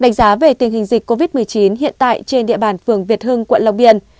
đánh giá về tình hình dịch covid một mươi chín hiện tại trên địa bàn phường việt hưng quận long biên